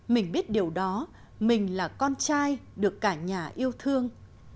mình biết điều đó mình là con trai được cả nhà yêu thương